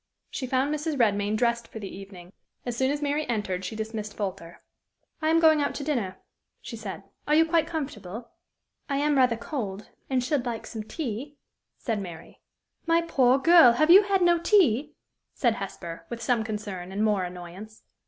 She found Mrs. Redmain dressed for the evening. As soon as Mary entered, she dismissed Folter. "I am going out to dinner," she said. "Are you quite comfortable?" "I am rather cold, and should like some tea," said Mary. "My poor girl! have you had no tea?" said Hesper, with some concern, and more annoyance.